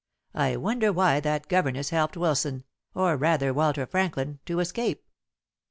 I wonder why that governess helped Wilson, or rather Walter Franklin, to escape?